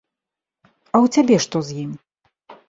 А ў цябе што з ім?